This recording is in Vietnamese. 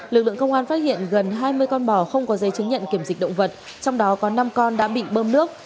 lực lượng công an phát hiện gần hai mươi con bò không có giấy chứng nhận kiểm dịch động vật trong đó có năm con đã bị bơm nước